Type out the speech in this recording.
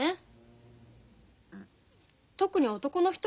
特に男の人にね。